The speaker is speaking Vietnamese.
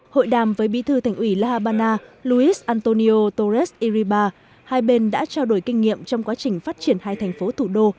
hội đàm với bí thư thành ủy la habana louis antonio torres iriba hai bên đã trao đổi kinh nghiệm trong quá trình phát triển hai thành phố thủ đô